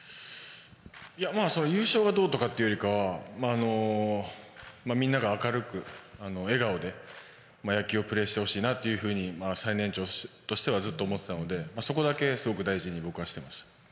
優勝はどうとかというよりはみんなが明るく笑顔で野球をプレーしてほしいなと最年長としてはずっと思ってたのでそこだけすごく大事に僕はしていました。